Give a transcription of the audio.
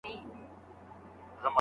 زه مي له صیاده د قصاب لاس ته لوېدلی یم